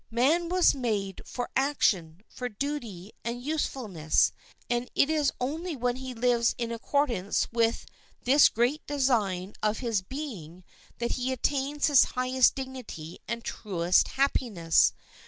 Man was made for action, for duty, and usefulness; and it is only when he lives in accordance with this great design of his being that he attains his highest dignity and truest happiness.